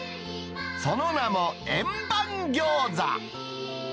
その名も円盤餃子。